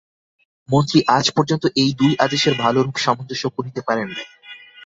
মন্ত্রী আজ পর্যন্ত এই দুই আদেশের ভালরূপ সামঞ্জস্য করিতে পারেন নাই।